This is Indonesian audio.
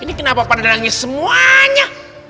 ini kenapa pada nangis semuanya